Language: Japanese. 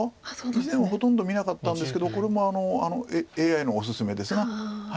以前はほとんど見なかったんですけどこれもＡＩのおすすめです。